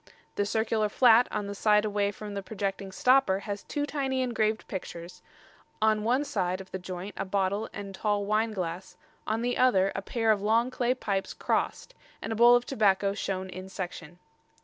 The circular flat on the side away from the projecting stopper has two tiny engraved pictures; on one side of the joint a bottle and tall wine glass, on the other a pair of long clay pipes crossed, and a bowl of tobacco shown in section."